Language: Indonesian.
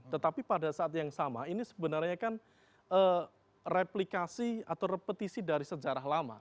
tetapi pada saat yang sama ini sebenarnya kan replikasi atau repetisi dari sejarah lama